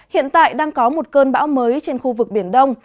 hiện tại đang có một cơn bão mới trên khu vực biển đông